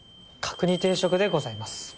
角煮定食でございます。